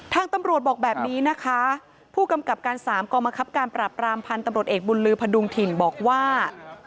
ทางตำรวจบอกแบบนี้นะคะผู้กำกับการสามกองบังคับการปราบรามพันธุ์ตำรวจเอกบุญลือพดุงถิ่นบอกว่า